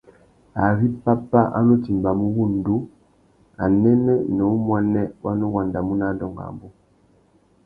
Ari pápá a nu timbamú wŭndú, anêmê nà umuênê wa nu wandamú nà adôngô abú.